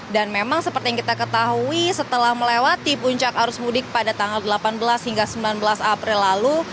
dan memang seperti yang kita ketahui setelah melewati puncak arus mudik pada tanggal delapan belas hingga sembilan belas april lalu